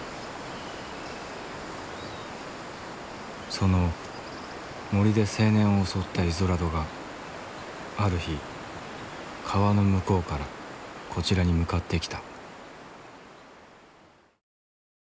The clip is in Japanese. その森で青年を襲ったイゾラドがある日川の向こうからこちらに向かってきた。